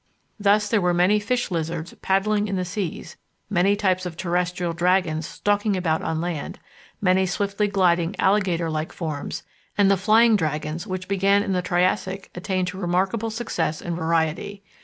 Thus there were many Fish Lizards paddling in the seas, many types of terrestrial dragons stalking about on land, many swiftly gliding alligator like forms, and the Flying Dragons which began in the Triassic attained to remarkable success and variety.